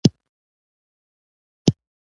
خپل مشهود او غیر مشهود مخالفین زندان ته استول